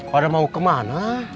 kau mau kemana